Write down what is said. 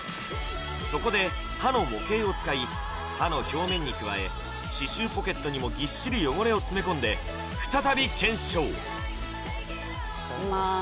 そこで歯の模型を使い歯の表面に加え歯周ポケットにもぎっしり汚れを詰め込んで再び検証いきます